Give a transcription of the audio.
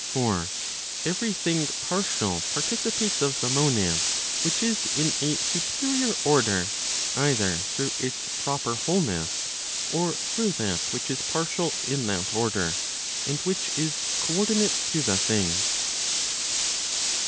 373 For every thing partial participates of the monad which is in a supe¬ rior order, either through its proper wholeness, or through that which is partial in that order, and which is co ordinate to the thing.